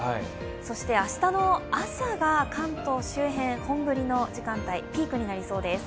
そして明日の朝が関東周辺本降りの時間帯ピークになりそうです。